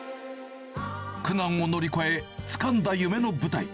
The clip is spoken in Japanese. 苦難を乗り越え、つかんだ夢の舞台。